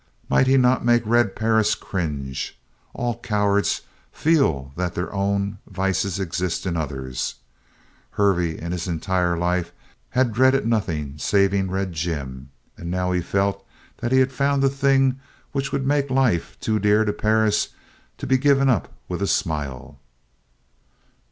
Might he not make Red Perris cringe! All cowards feel that their own vice exists in others. Hervey, in his entire life, had dreaded nothing saving Red Jim, and now he felt that he had found the thing which would make life too dear to Perris to be given up with a smile.